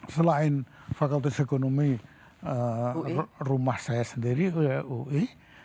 selain fakultas ekonomi rumah saya sendiri oleh ui